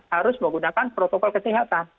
harus menggunakan protokol kesehatan